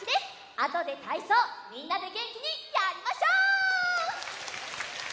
あとでたいそうみんなでげんきにやりましょう！